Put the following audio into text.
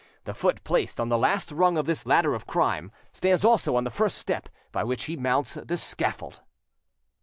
The foot placed on the last rung of this ladder of crime, stands also on the first step by which he mounts the scaffold.